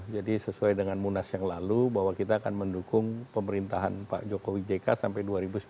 jadi sesuai dengan munas yang lalu bahwa kita akan mendukung pemerintahan pak jokowi jk sampai dua ribu sembilan belas